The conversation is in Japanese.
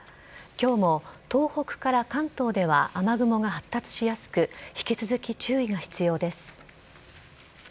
今日も東北から関東では雨雲が発達しやすく引き続き注意が必要です。